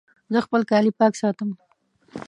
زه خپل کالي پاک ساتم.